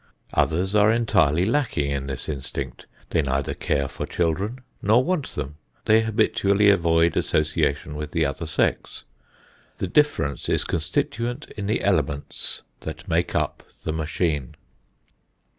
Others are entirely lacking in this instinct; they neither care for children nor want them; they habitually avoid association with the other sex. The difference is constituent in the elements that make up the machine.